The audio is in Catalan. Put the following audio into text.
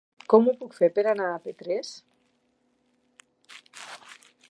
Com ho puc fer per anar a Petrés?